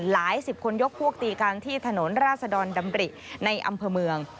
หลายสิบคนยกพวกตีกันที่ถนนราชดรดำริในอำเภอเมือง